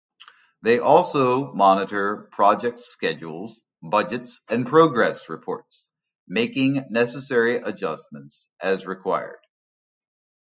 They also monitor project schedules, budgets, and progress reports, making necessary adjustments as required.